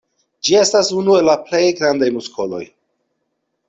Ĝi estas unu el la plej grandaj muskoloj.